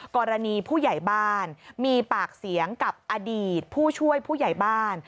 กรณีผู้ใหญ่บ้านมีปากเสียงกับอดีตผู้ช่วยผู้ใหญ่บ้าน